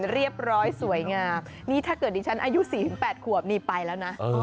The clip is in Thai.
เรียบร้อยสวยงามนี่ถ้าเกิดดิฉันอายุ๔๘ขวบนี่ไปแล้วนะ